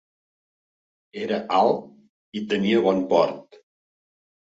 Era alt i tenia bon port.